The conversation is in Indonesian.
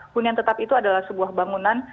hunian tetap itu adalah sebuah bangunan